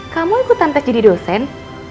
kamu ikutan tes jadi dosen